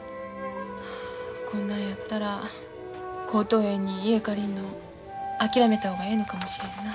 こんなんやったら甲東園に家借りるの諦めた方がええのかもしれんな。